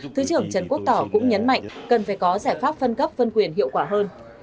thứ trưởng trần quốc tỏ cũng nhấn mạnh cần phải có giải pháp phân cấp phân quyền hiệu quả hơn